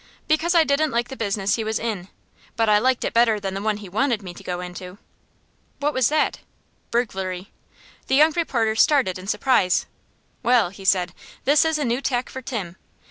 "Because I didn't like the business he was in. But I liked it better than the one he wanted me to go into." "What was that?" "Burglary." The young reporter started in surprise. "Well," he said, "this is a new tack for Tim.